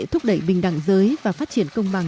thúc đẩy bình đẳng giới và phát triển công bằng